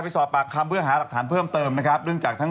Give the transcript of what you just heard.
ไปสอบปากคำเพื่อหารักฐานเพิ่มเติมนะครับ